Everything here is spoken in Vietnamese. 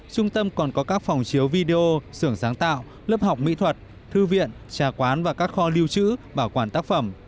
trung tâm còn có các phòng chiếu video sưởng sáng tạo lớp học mỹ thuật thư viện trà quán và các kho lưu trữ bảo quản tác phẩm